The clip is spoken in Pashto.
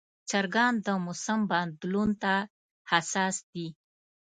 چرګان د موسم بدلون ته حساس دي.